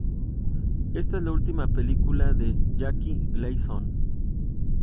Esta es la última película de Jackie Gleason.